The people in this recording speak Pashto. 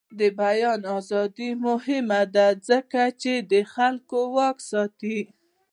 د بیان ازادي مهمه ده ځکه چې د خلکو واک ساتي.